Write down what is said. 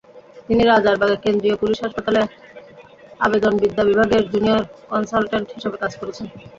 তিনি রাজারবাগে কেন্দ্রীয় পুলিশ হাসপাতালে অবেদনবিদ্যা বিভাগের জুনিয়র কনসালট্যান্ট হিসেবে কাজ করছেন।